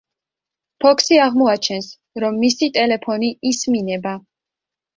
ფოქსი აღმოაჩენს, რომ მისი ტელეფონი ისმინება.